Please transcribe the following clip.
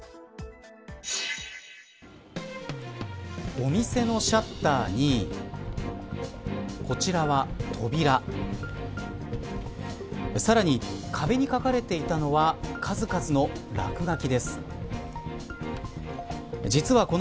お店のシャッターにこちらは扉さらに壁に描かれていたのは数々の落書きです。